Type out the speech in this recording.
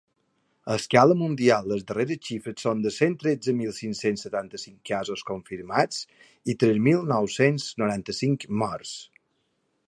A escala mundial les darreres xifres són de cent tretze mil cinc-cents setanta-cinc casos confirmats i tres mil nou-cents noranta-cinc morts.